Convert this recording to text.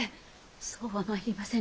そうはまいりませぬ。